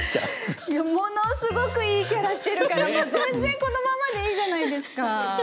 いやものすごくいいキャラしてるから全然このままでいいじゃないですか。